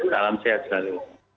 salam sehat juga